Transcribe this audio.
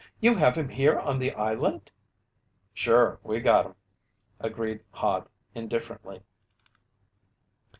"You have him here on the island!" "Sure, we got him," agreed Hod indifferently.